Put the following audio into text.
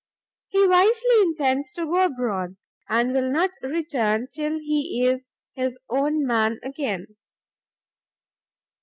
He wisely intends to go abroad, and will not return till he is his own man again.